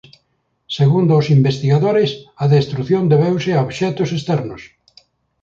Segundo os investigadores a destrución debeuse a obxectos externos.